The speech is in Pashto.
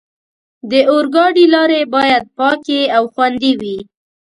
د اورګاډي لارې باید پاکې او خوندي وي.